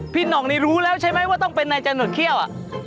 หน่องนี่รู้แล้วใช่ไหมว่าต้องเป็นนายจะหนุดเขี้ยว